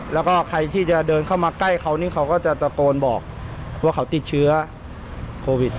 แล้วก็ใครที่จะเดินเข้ามาใกล้เขานี่เขาก็จะตะโกนบอกว่าเขาติดเชื้อโควิด